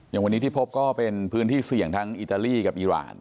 อย่างวันนี้ที่พบก็เป็นพื้นที่เสี่ยงทั้งอิตาลีกับอีราน